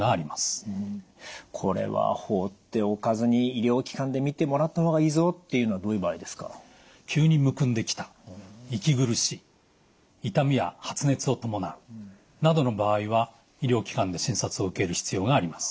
これは放っておかずに医療機関で診てもらった方がいいぞっていうのはどういう場合ですか？などの場合は医療機関で診察を受ける必要があります。